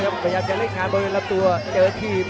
ก๊อดชุดแนะมันในท่อ